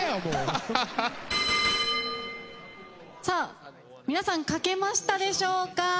さあ皆さん書けましたでしょうか。